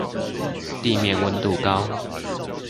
地面溫度高